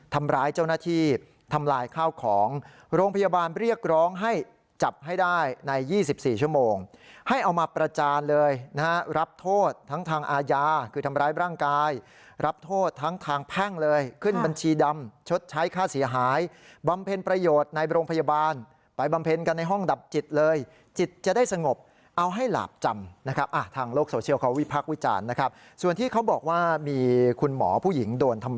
ทำร้ายเจ้าหน้าที่ทำลายข้าวของโรงพยาบาลเรียกร้องให้จับให้ได้ใน๒๔ชั่วโมงให้เอามาประจานเลยนะฮะรับโทษทั้งทางอาญาคือทำร้ายร่างกายรับโทษทั้งทางแพ่งเลยขึ้นบัญชีดำชดใช้ค่าเสียหายบำเพ็ญประโยชน์ในโรงพยาบาลไปบำเพ็ญกันในห้องดับจิตเลยจิตจะได้สงบเอาให้หลาบจำนะครับทางโลกโซเชียลเขาวิพักษ์วิจารณ์นะครับส่วนที่เขาบอกว่ามีคุณหมอผู้หญิงโดนทำ